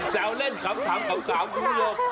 แจ้วเล่นขำถามอยู่แล้ว